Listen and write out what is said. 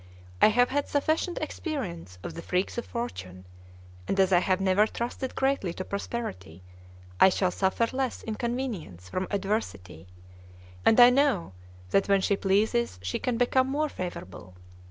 I have had sufficient experience of the freaks of fortune; and as I have never trusted greatly to prosperity, I shall suffer less inconvenience from adversity; and I know that when she pleases she can become more favorable.